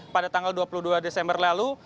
pada tanggal dua puluh dua desember lalu